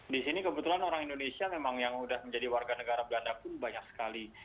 di sini kebetulan orang indonesia memang yang sudah menjadi warga negara belanda pun banyak sekali